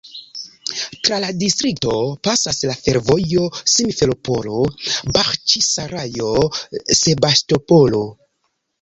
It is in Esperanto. Tra la distrikto pasas la fervojo Simferopolo-Baĥĉisarajo-Sebastopolo.